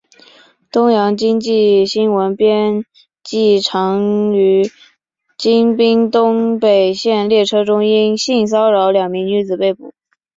东洋经济新闻编辑长于京滨东北线列车中因性骚扰两名女子被捕。